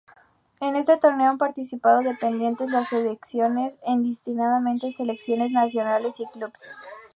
En este torneo han participado, dependiendo las ediciones, indistintamente selecciones nacionales y clubes.